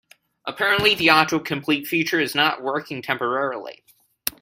Apparently, the autocomplete feature is not working temporarily.